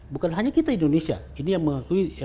bukan hanya kita indonesia ini yang mengakui